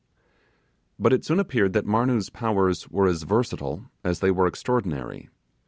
But it soon appeared that Marnoo's powers were as versatile as they were extraordinary.